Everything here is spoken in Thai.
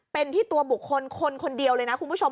เป็นที่ตัวบุคคลคนคนเดียวเลยนะคุณผู้ชม